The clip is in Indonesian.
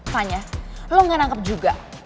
fanya lo gak nangkep juga